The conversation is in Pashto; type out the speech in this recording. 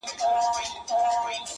د ژوند پر هره لاره و بلا ته درېږم;